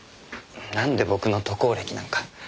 なんで僕の渡航歴なんか。